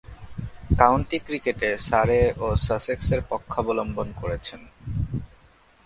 County ক্রিকেটে Surrey ও সাসেক্সের পক্ষাবলম্বন করেছেন।